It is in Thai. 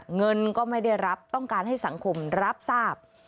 เงินก็ไม่ได้รับต้องการให้สังคมรับทราบ